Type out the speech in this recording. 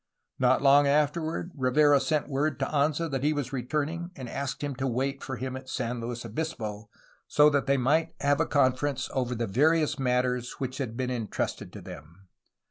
Not long afterward Rivera sent word to Anza that he was returning, and asked him to wait for him at San Luis Obispo, so that they might have a confer ence over the various matters which had been entrusted to them.